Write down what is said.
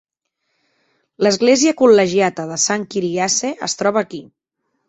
L'Església Col·legiata de Sant Quiriace es troba aquí.